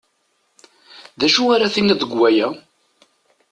D acu ara d-tiniḍ deg waya?